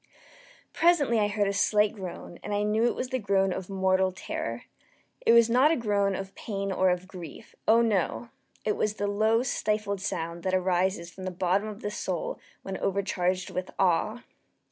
Presently I heard a slight groan, and I knew it was the groan of mortal terror. It was not a groan of pain or of grief oh, no! it was the low stifled sound that arises from the bottom of the soul when overcharged with awe.